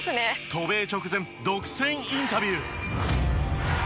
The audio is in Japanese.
渡米直前独占インタビュー。